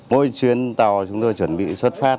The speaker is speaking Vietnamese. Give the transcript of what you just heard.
mỗi chuyến tàu chúng tôi chuẩn bị xuất phát